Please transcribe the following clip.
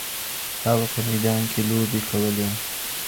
هغه په میدان کي لوبي کولي.